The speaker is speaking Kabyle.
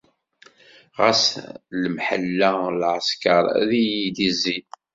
Ɣas d lemḥella n lɛesker ara iyi-d-izzin.